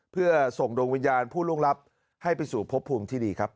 เพื่อส่งดวงวิญญาณผู้ล่วงลับให้ไปสู่พบภูมิที่ดีครับ